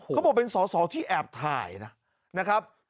เขาบอกเป็นสอสอที่แอบถ่ายนะครับ